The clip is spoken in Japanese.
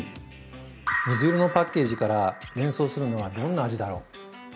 水色のパッケージから連想するのはどんな味だろう？